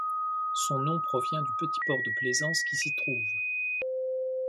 Son nom provient du petit port de plaisance qui s'y trouve.